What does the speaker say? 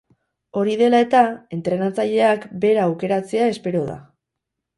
Hori dela eta, entrenatzaileak bera aukeratzea espero da.